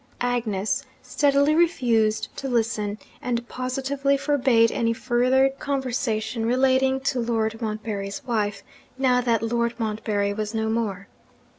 Agnes steadily refused to listen, and positively forbade any further conversation relating to Lord Montbarry's wife, now that Lord Montbarry was no more.